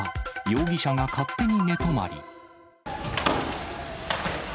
容疑者が勝手に寝泊まり。